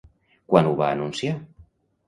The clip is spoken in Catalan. Quan ho va anunciar?